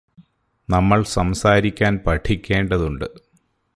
നമ്മൾ സംസാരിക്കാൻ പഠിക്കേണ്ടതുണ്ട്